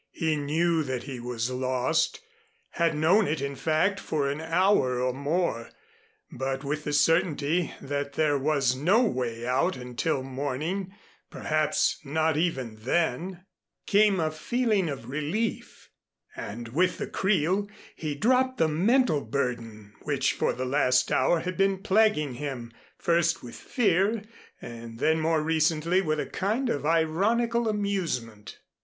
He knew that he was lost had known it, in fact, for an hour or more, but with the certainty that there was no way out until morning, perhaps not even then, came a feeling of relief, and with the creel, he dropped the mental burden which for the last hour had been plaguing him, first with fear and then more recently with a kind of ironical amusement.